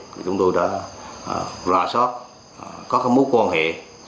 thì chúng tôi đã ra sót có các mối quan hệ